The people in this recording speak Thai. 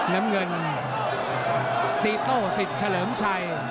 น้ำเงินตีโต้สิทธิ์เฉลิมชัย